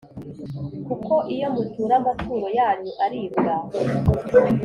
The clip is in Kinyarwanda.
Kuko iyo mutura amaturo yanyu aribwa